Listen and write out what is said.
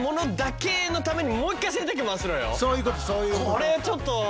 これちょっと。